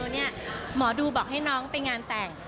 หมอดูบอกให้น้องไปงานแต่ง